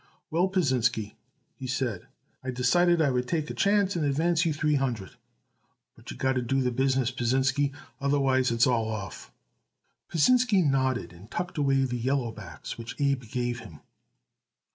"Well, Pasinsky," he said, "I decided I would take a chance and advance you the three hundred; but you got to do the business, Pasinsky, otherwise it is all off." Pasinsky nodded and tucked away the yellowbacks which Abe gave him.